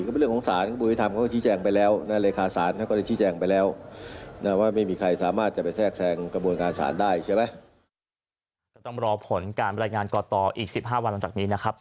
ขอบคุณการบรรยายงานกตอีก๑๕วันต่างจากนี้นะครับ